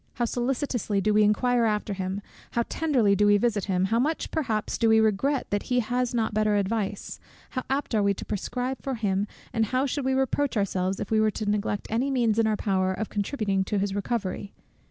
How solicitously do we inquire after him, how tenderly do we visit him, how much perhaps do we regret that he has not better advice, how apt are we to prescribe for him, and how should we reproach ourselves, if we were to neglect any means in our power of contributing to his recovery!